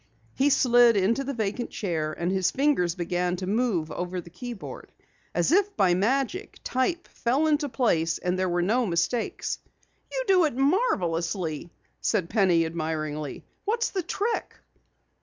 He slid into the vacant chair and his fingers began to move over the keyboard. As if by magic, type fell into place, and there were no mistakes. "You do it marvelously," said Penny admiringly. "What's the trick?"